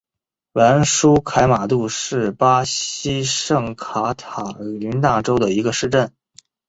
兰舒凯马杜是巴西圣卡塔琳娜州的一个市镇。